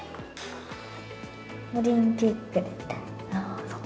オリンピックに出たい。